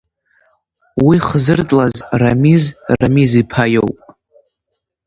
Уи хзыртлаз Рамиз Рамиз-иԥа иоуп.